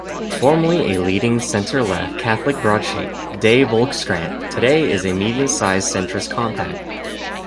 Formerly a leading centre-left Catholic broadsheet, "de Volkskrant" today is a medium-sized centrist compact.